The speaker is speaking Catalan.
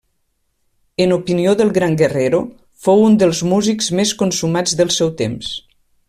En opinió del gran Guerrero, fou un dels músics més consumats del seu temps.